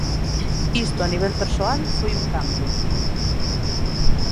Isto, a nivel persoal, foi un cambio.